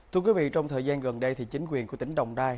thưa quý vị trong thời gian gần đây chính quyền của tỉnh đồng đai